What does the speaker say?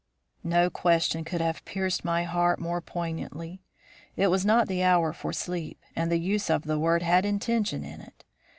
"No question could have pierced my heart more poignantly. It was not the hour for sleep, and the use of the word had intention in it.